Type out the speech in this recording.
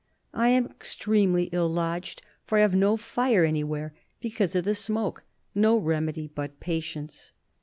I am extremely ill lodged, for I have no fire anywhere, because of the smoke ... no remedy but patience.